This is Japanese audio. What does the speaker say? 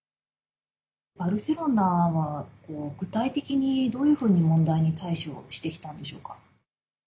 バルセロナは具体的にどういうふうに問題に対処してきたんでしょうか。